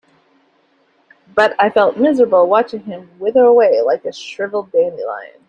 But I felt miserable watching him wither away like a shriveled dandelion.